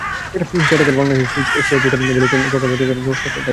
Care বাংলাদেশের switch Asia jute value chain প্রকল্প আয়োজন ব্যবস্থাপনার দায়িত্বে ছিল।